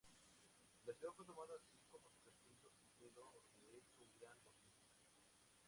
La ciudad fue tomada así como su castillo obteniendo de ello un gran botín.